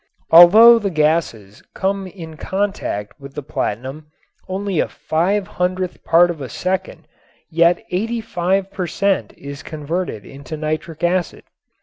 Although the gases come in contact with the platinum only a five hundredth part of a second yet eighty five per cent. is converted into nitric acid.